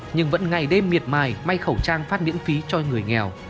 nhưng vẫn ngày đêm miệt mài may khẩu trang phát miễn phí cho người nghèo